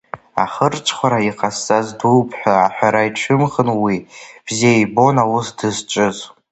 Ахырҽхәара, иҟасҵаз дууп ҳәа аҳәара ицәымӷын уи, бзиа ибон аус дызҿыз.